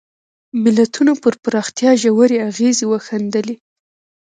ملتونو پر پراختیا ژورې اغېزې وښندلې.